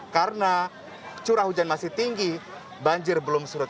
karena curah hujan masih tinggi banjir belum surut